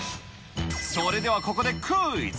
それではここでクイズ。